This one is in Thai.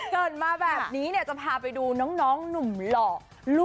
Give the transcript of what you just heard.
เกิดมาแบบนี้เนี่ยจะพาไปดูน้องหนุ่มหล่อ